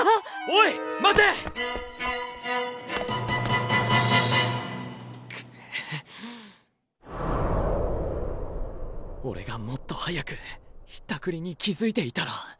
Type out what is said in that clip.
おれがもっと早くひったくりに気付いていたら。